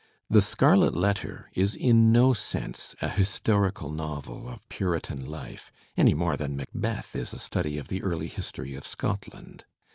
"The Scarlet Letter" is in no sense a historical novel of Puritan life, any more than Macbeth is a study of the early history of Scotland.